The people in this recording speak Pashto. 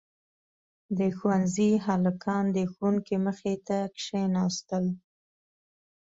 • د ښونځي هلکان د ښوونکي مخې ته کښېناستل.